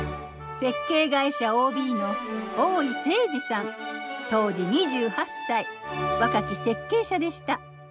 設計会社ＯＢの当時２８歳若き設計者でした。